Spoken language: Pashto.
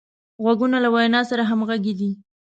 غوږونه له وینا سره همغږي دي